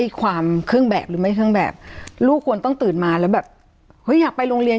ความเครื่องแบบหรือไม่เครื่องแบบลูกควรต้องตื่นมาแล้วแบบเฮ้ยอยากไปโรงเรียน